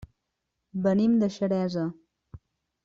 Venim de Xeresa.